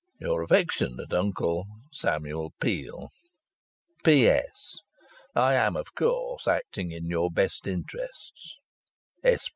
Your affectionate uncle, SAMUEL PEEL. "P.S. I am, of course, acting in your best interests.